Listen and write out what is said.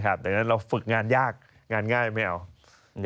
เราฝึกงานยากงานง่ายไม่เอา